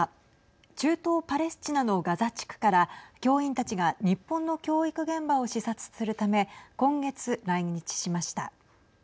中東パレスチナのガザ地区から教員たちが日本の教育現場を視察するため今月、来日しました。